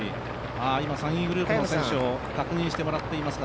今、３位グループの選手を確認してもらっていますが。